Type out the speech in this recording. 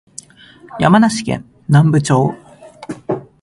山梨県南部町